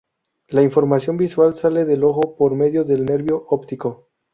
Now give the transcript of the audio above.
La información visual sale del ojo por medio del nervio óptico.